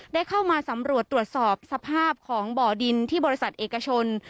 ได้เข้ามาสำรวจตรวจสอบสภาพของบ่อดินที่บริษัทเอกชน